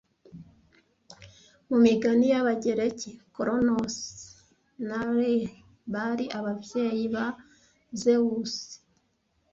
Mu migani y'Abagereki Cronos na Rhea bari ababyeyi ba Zewusi